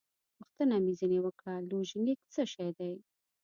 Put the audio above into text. پوښتنه مې ځینې وکړه: لوژینګ څه شی دی؟